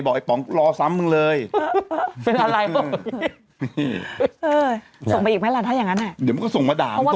บอกไอ้ป๋องรอสำมึงเลย